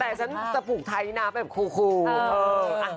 แต่ฉันจะปลูกไท้ไอน้ำแบบคูลคูล